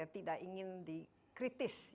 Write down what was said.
tidak ingin di kritis